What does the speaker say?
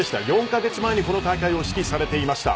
４カ月前にこの大会を指揮されていました。